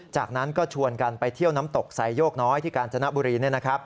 จากนั้นก็ชวนกันไปเที่ยวน้ำตกไซโยกน้อยที่กาญจนบุรี